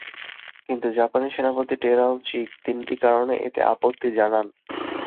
কিন্তু জাপানি সেনাপতি টেরাউচি তিনটি কারণে এতে আপত্তি জানান।